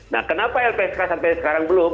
nah kenapa lpsk sampai sekarang belum